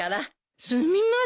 すみません。